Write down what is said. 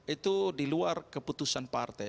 itu di luar keputusan partai